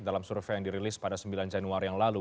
dalam survei yang dirilis pada sembilan januari yang lalu